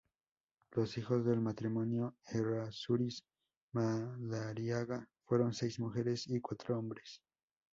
Los hijos del matrimonio Errázuriz Madariaga, fueron seis mujeres y cuatro hombres.